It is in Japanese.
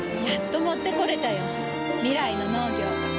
やっと持ってこれたよ。未来の農業。